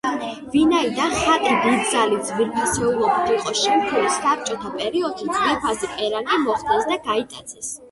ვინაიდან ხატი დიდძალი ძვირფასეულობით იყო შემკული, საბჭოთა პერიოდში ძვირფასი პერანგი მოხსნეს და გაიტაცეს.